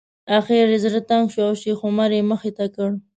اخر یې زړه تنګ شو او شیخ عمر یې مخې ته کړ.